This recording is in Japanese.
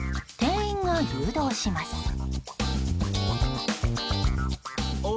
店員が誘導します。